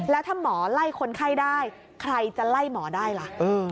แล้วถ้าหมอไล่คนไข้ได้ใครจะไล่หมอได้ล่ะ